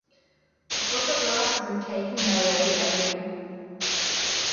The photographs were taken by Ray Avery.